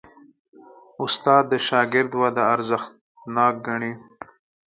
استاد د شاګرد وده ارزښتناک ګڼي.